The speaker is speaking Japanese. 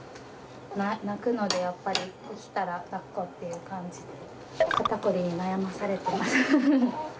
泣くので、やっぱり起きたらだっこっていう感じで、肩凝りに悩まされています。